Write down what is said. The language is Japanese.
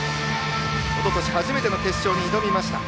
おととし初めての決勝に挑みました。